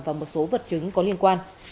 và một số vật chứng có liên quan